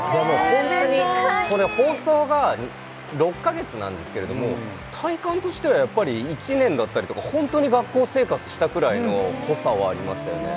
ホントにこれ放送が６カ月なんですけれども体感としてはやっぱり１年だったりとかホントに学校生活したくらいの濃さはありましたよね